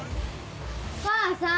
お母さん！